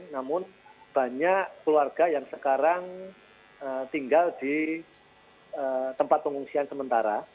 namun banyak keluarga yang sekarang tinggal di tempat pengungsian sementara